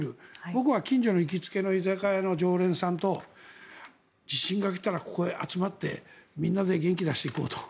僕は近所の居酒屋さんと地震が来たらここへ集まってみんなで元気出していこうと。